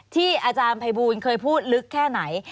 อาจารย์ภัยบูลเคยพูดลึกแค่ไหน